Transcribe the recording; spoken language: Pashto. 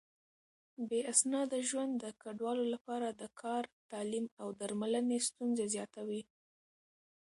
بې اسناده ژوند د کډوالو لپاره د کار، تعليم او درملنې ستونزې زياتوي.